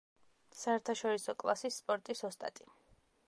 საერთაშორისო კლასის სპორტის ოსტატი.